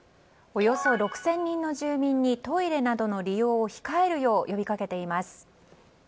およそ６０００人の住民にトイレなどの利用を控えるよう呼びかけています。